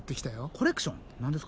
コレクション何ですか？